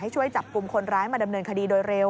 ช่วยจับกลุ่มคนร้ายมาดำเนินคดีโดยเร็ว